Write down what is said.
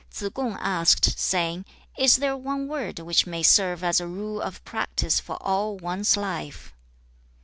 XXIII. Tsze kung asked, saying, 'Is there one word which may serve as a rule of practice for all one's life?'